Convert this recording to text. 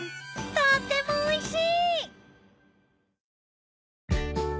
とってもおいしい！